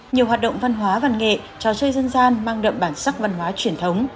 nhiều hoạt động văn hóa văn nghệ trò chơi dân gian mang đậm bản sắc văn hóa truyền thống